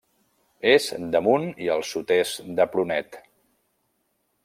És damunt i al sud-est de Prunet.